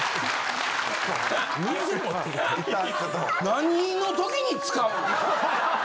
何の時に使うの？